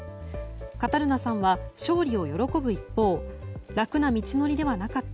カタルナさんは勝利を喜ぶ一方楽な道のりではなかった。